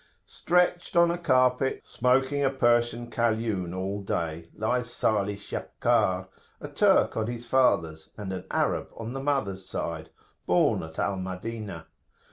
Stretched on a carpet, smoking a Persian Kaliun all day, lies Salih Shakkar, a Turk on the father's, and an Arab on the mother's side, born at Al Madinah.